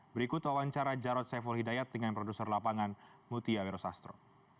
berikut wawancara jarod saiful hidayat dengan produser lapangan mutia wiro sastro